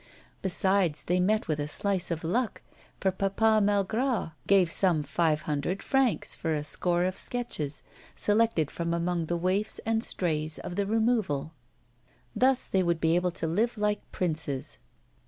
Besides, they met with a slice of luck, for Papa Malgras gave some five hundred francs for a score of sketches, selected from among the waifs and strays of the removal. Thus they would be able to live like princes.